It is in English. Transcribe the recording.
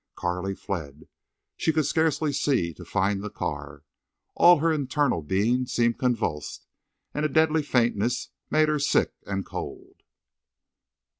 Carley fled. She could scarcely see to find the car. All her internal being seemed convulsed, and a deadly faintness made her sick and cold.